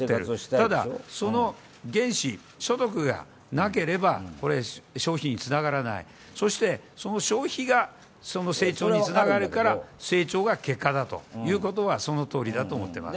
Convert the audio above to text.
ただ、その原資、所得がなければ消費につながらない、そして、その消費が成長につながるから成長が結果だということはそのとおりだと思っています。